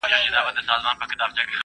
تازه زعفران په بازار کې ډېر ارزښت لري.